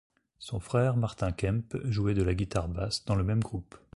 Son frère Martin Kemp jouait de la guitare basse dans le même groupe.